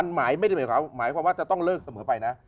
หมายความว่าจะต้องเลิกเสมอไปนะ